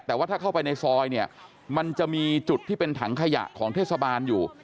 แต่ว่าถ้าเข้าไปในซอยเนี่ยมันจะมีจุดที่เป็นถังขยะของเทศบาลอยู่